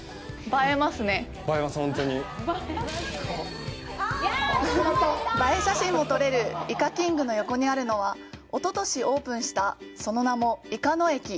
映え写真も撮れる「イカキング」の横にあるのは、一昨年オープンした、その名も「イカの駅」。